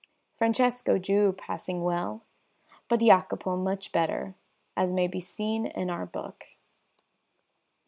Francesco drew passing well, but Jacopo much better, as may be seen in our book.